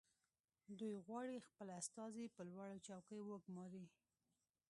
دوی غواړي خپل استازي په لوړو چوکیو وګماري